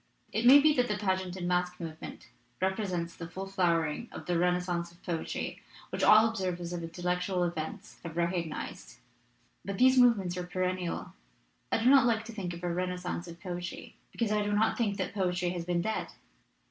"It may be that the pageant and masque move ment represents the full flowering of the renas cence of poetry which all observers of intellectual events have recognized. But these movements are perennial; I do not like to think of a renas cence of poetry because I do not think that poetry has been dead.